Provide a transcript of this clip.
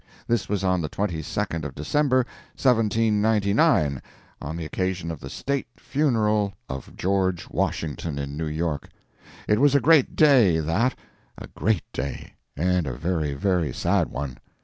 This was on the 22d of December, 1799, on the occasion of the state' funeral of George Washington in New York. It was a great day, that a great day, and a very, very sad one.